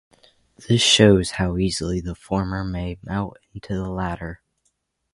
This shows how easily the former may melt into the latter.